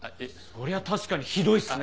そりゃ確かにひどいっすね。